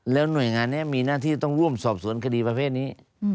หน่วยงานนี้มีหน้าที่ต้องร่วมสอบสวนคดีประเภทนี้